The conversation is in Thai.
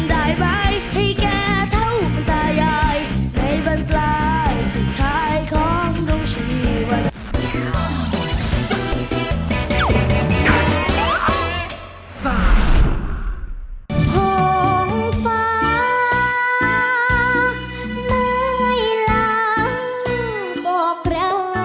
ใส่สุดท้ายของดวงชีวา